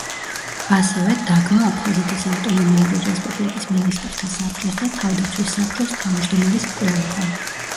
ასევე დაგმო აფხაზეთის ავტონომიური რესპუბლიკის მინისტრთა საბჭოს და თავდაცვის საბჭოს თავმჯდომარის მკვლელობა.